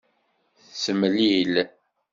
Semlil.